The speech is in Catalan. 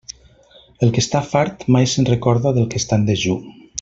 El que està fart mai se'n recorda del que està en dejú.